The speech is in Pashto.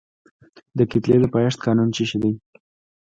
د کتلې د پایښت قانون څه شی دی؟